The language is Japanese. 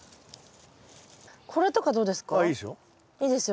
これとかどうですか？